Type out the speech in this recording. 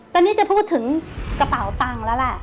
ตอนนี้จะพูดถึงกระเป๋าตังค์แล้วแหละ